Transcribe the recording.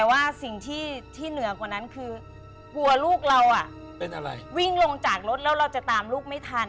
วิ่งลงจากรถแล้วเราจะตามลูกไม่ทัน